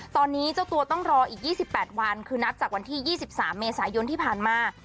ตอนนี้เจ้าตัวต้องรออีก๒๘วันคือนับจากวันที่๒๓เมษายนที่ผ่านมา